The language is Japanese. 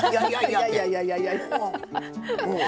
「いやいやいやいや」って。